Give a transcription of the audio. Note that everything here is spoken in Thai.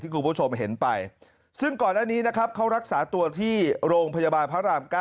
คุณผู้ชมเห็นไปซึ่งก่อนอันนี้นะครับเขารักษาตัวที่โรงพยาบาลพระราม๙